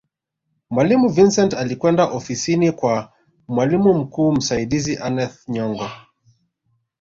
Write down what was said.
mwalimu vicent alikwenda ofisini kwa mwalimu mkuu msaidizi aneth nyongo